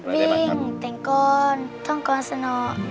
วิ่งแต่งก้อนท่องก่อนสนอก